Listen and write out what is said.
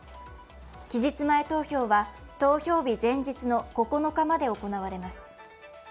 期日前投票は投票日前日の９日まで行われます。